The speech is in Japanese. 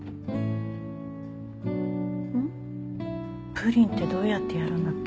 プリンってどうやってやるんだっけ？